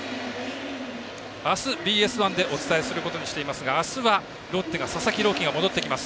明日ＢＳ１でお伝えすることにしていますが明日はロッテ、佐々木朗希が戻ってきます。